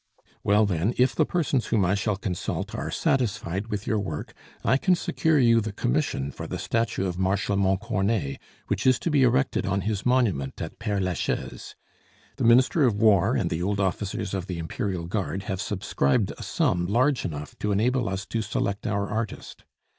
"Well, then, if the persons whom I shall consult are satisfied with your work, I can secure you the commission for the statue of Marshal Montcornet, which is to be erected on his monument at Pere Lachaise. The Minister of War and the old officers of the Imperial Guard have subscribed a sum large enough to enable us to select our artist."